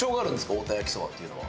太田焼きそばっていうのは。